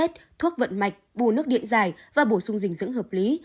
bốc vận mạch bù nước điện dài và bổ sung dình dưỡng hợp lý